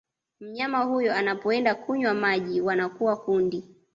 Mnyama huyo anapoenda kunywa maji wanakuwa kundi